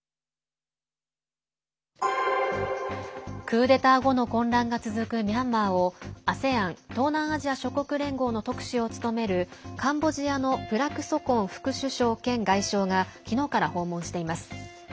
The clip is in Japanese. クーデター後の混乱が続くミャンマーをＡＳＥＡＮ＝東南アジア諸国連合の特使を務めるカンボジアのプラク・ソコン副首相兼外相がきのうから訪問しています。